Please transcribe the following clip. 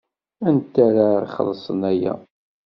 Anta ara ixellṣen aya?